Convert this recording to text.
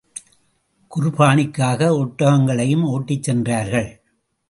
குர்பானிக்காக ஒட்டகங்களையும் ஓட்டிச் சென்றார்கள்.